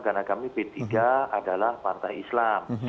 karena kami p tiga adalah partai islam